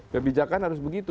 kebijakan harus begitu